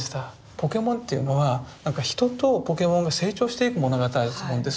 ポケモンっていうのは人とポケモンが成長していく物語ですよ。